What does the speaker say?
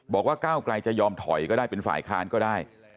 บอกว่าก้าวกลายจะยอมถอยก็ได้เป็นฝ่ายคลานก็ได้